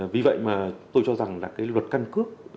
vì vậy mà tôi cho rằng là cái luật căn cước